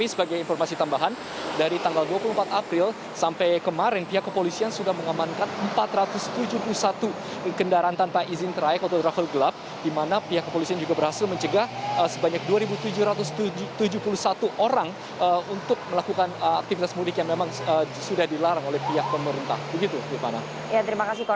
saya tidak melihat pandemi ini mengurangi